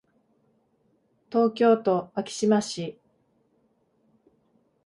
東京都昭島市